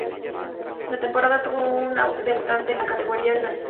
La temporada tuvo un debutante en la categoría, el Amiens.